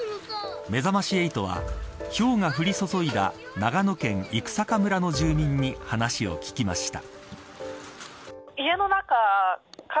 めざまし８はひょうが降り注いだ長野県生坂村の住民に話を聞きました。